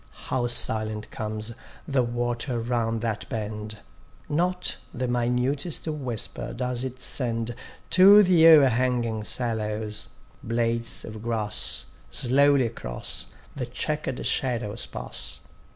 How silent comes the water round that bend; Not the minutest whisper does it send To the o'erhanging sallows: blades of grass Slowly across the chequer'd shadows pass.